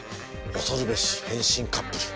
恐るべし変身カップル。